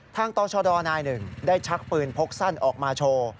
ตชดนายหนึ่งได้ชักปืนพกสั้นออกมาโชว์